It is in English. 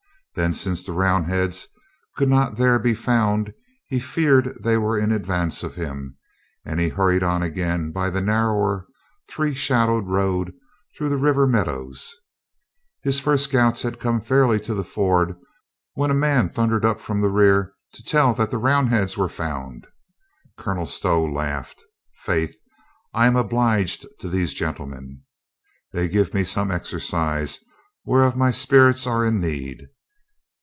Then since the Roundheads could not there be found he feared they were in advance of him, and he hurried on again by the narrower, three shadowed road through the river meadows. His first scouts had come fairly to the ford when a man thundered up from the rear to tell that the Round heads were found. Colonel Stow laughed. "Faith, I am obliged to these gentlemen. They g^ve me some exercise whereof my spirits are in need.